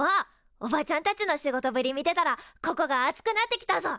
おばちゃんたちの仕事ぶり見てたらここが熱くなってきたぞ！